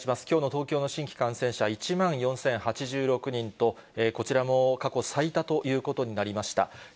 きょうの東京の新規感染者、１万４０８６人と、こちらも過去最多ということになりました。